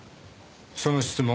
その質問